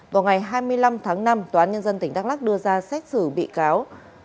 vào ngày hai mươi năm tháng năm tòa án nhân dân tỉnh đắk lắc đưa ra xét xử bị cáo